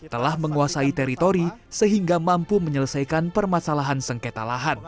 telah menguasai teritori sehingga mampu menyelesaikan permasalahan sengketa lahan